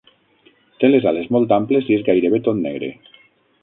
Té les ales molt amples i és gairebé tot negre.